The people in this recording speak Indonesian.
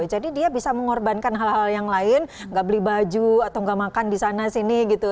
jadi dia bisa mengorbankan hal hal yang lain gak beli baju atau gak makan di sana sini gitu